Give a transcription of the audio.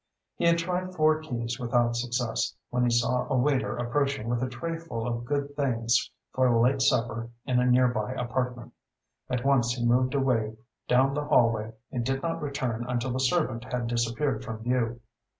He had tried four keys without success, when he saw a waiter approaching with a trayful of good things for a late supper in a nearby apartment. At once he moved away down the hallway and did not return until the servant had disappeared from view.